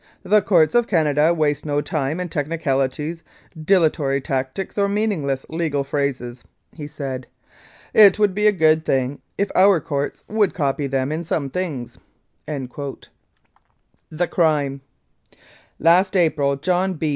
"' The courts of Canada waste no time in technicali ties, dilatory tactics, nor meaningless legal phrases/ he said. * It would be a good thing if our courts would copy them in some things.' "THE CRIME "Last April, John P.